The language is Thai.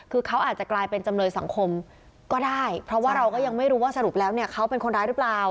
คือเขาอาจจะกลายเป็นจำเลยสังคมก็ได้เพราะว่าเราก็ยังไม่รู้ว่าสรุปแล้วเนี่ยเขาเป็นคนร้ายหรือเปล่า